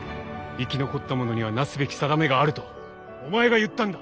生き残った者にはなすべき定めがあるとお前が言ったんだ。